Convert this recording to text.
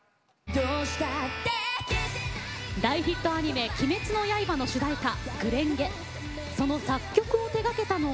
大ヒットアニメ「鬼滅の刃」の主題歌